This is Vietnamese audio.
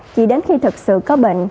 chỉ đến khi thực sự có bệnh